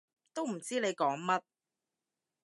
都唔知你講乜